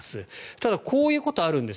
ただ、こういうことがあるんです。